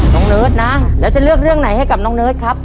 เนิร์ดนะแล้วจะเลือกเรื่องไหนให้กับน้องเนิร์ดครับ